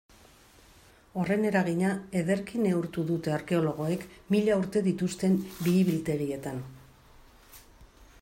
Horren eragina ederki neurtu dute arkeologoek mila urte dituzten bihi-biltegietan.